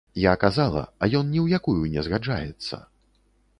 Я казала, а ён ні ў якую не згаджаецца.